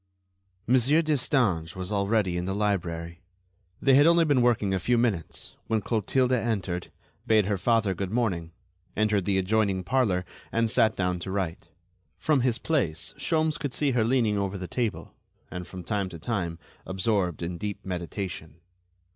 Monsieur Destange was already in the library. They had been working only a few minutes, when Clotilde entered, bade her father good morning, entered the adjoining parlor and sat down to write. From his place Sholmes could see her leaning over the table and from time to time absorbed in deep meditation.